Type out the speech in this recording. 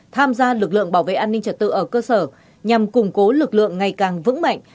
tham gia lực lượng bảo vệ an ninh trật tự ở cơ sở nhằm củng cố lực lượng ngày càng vững mạnh